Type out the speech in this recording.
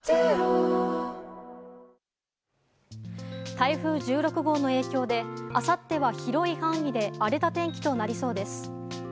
台風１６号の影響であさっては広い範囲で荒れた天気となりそうです。